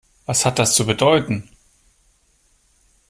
Was hat das zu bedeuten?